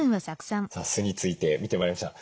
さあ酢について見てまいりました。